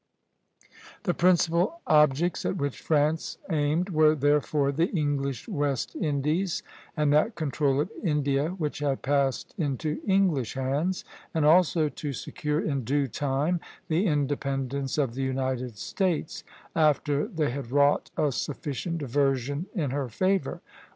The principal objects at which France aimed were therefore the English West Indies and that control of India which had passed into English hands, and also to secure in due time the independence of the United States, after they had wrought a sufficient diversion in her favor.